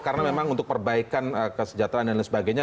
karena memang untuk perbaikan kesejahteraan dan lain sebagainya